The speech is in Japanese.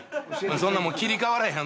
そんなもう切り替われへん。